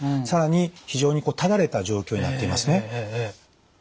更に非常にただれた状況になっていますね。